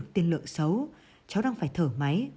tựa xấu cháu đang phải thở máy